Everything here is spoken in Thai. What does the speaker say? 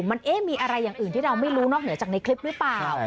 มันมีอะไรอย่างอื่นที่เราไม่รู้นอกเหนือจากในคลิปหรือเปล่า